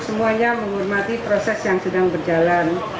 semuanya menghormati proses yang sedang berjalan